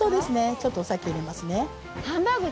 ちょっとお酒入れますね。